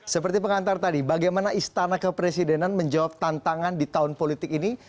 seperti pengantar tadi bagaimana istana kepresidenan menjawab tantangan di tahun politik ini